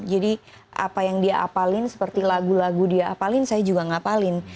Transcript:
jadi apa yang dia apalin seperti lagu lagu dia apalin saya juga ngapalin